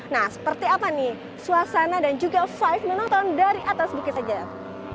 nah seperti apa nih suasana dan juga vive menonton dari atas bukit segar